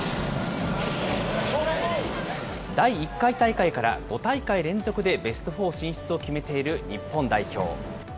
第１回大会から５大会連続でベストフォー進出を決めている日本代表。